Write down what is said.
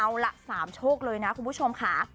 เอาล่ะ๓โชคเลยนะคุณผู้ชมค่ะ